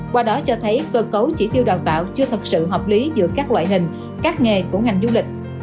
qua đó cho thấy cơ cấu chỉ tiêu đào tạo chưa thật sự hợp lý giữa các loại hình các nghề của ngành du lịch